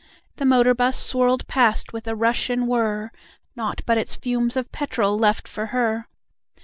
The motor bus swirled past with rush and whirr, Nought but its fumes of petrol left for her.